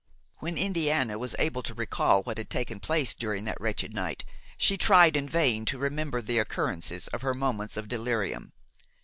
When Indiana was able to recall what had taken place during that wretched night, she tried in vain to remember the occurrences of her moments of delirium.